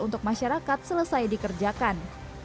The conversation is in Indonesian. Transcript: untuk masyarakat selesai dikerjakan